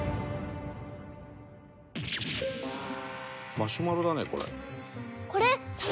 「マシュマロだねこれ」